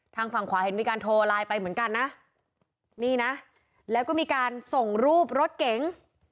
ทางฝั่งขวาเห็นมีการโทรไลน์ไปเหมือนกันนะนี่นะแล้วก็มีการส่งรูปรถเก๋ง